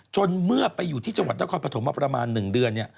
จนเมื่อไปอยู่ที่จังหวัดต้องความประถมมาประมาณ๑เดือน